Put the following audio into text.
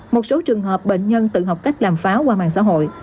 một số trường hợp bệnh nhân tự học cách làm pháo qua mạng xã hội